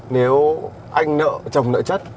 nếu anh nợ chồng nợ chất